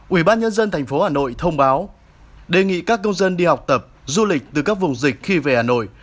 ủy ban nhân dân tp hà nội thông báo đề nghị các công dân đi học tập du lịch từ các vùng dịch khi về hà nội